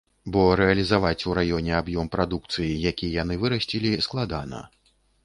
Бо рэалізаваць у раёне аб'ём прадукцыі, які яны вырасцілі, складана.